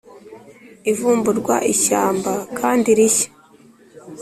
ivumburwa ishyamba kandi rishya,